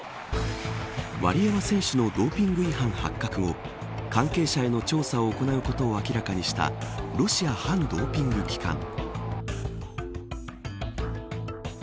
ワリエワ選手のドーピング違反発覚後関係者への調査を行うことを明らかにしたロシア反ドーピング機関。